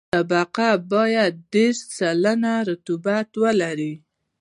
دا طبقه باید دېرش سلنه رطوبت ولري